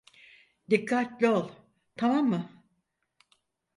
Dikkatli ol, tamam mı?